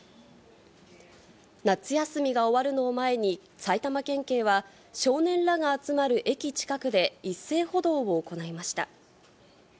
夏休みが終わるのを前に、埼玉県警は、少年らが集まる駅近くで一斉補導を行いました。